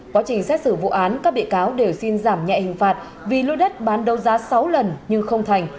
quá trình xét xử vụ án các bị cáo đều xin giảm nhẹ hình phạt vì lô đất bán đấu giá sáu lần nhưng không thành